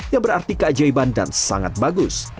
yang berarti keajaiban dan sangat bagus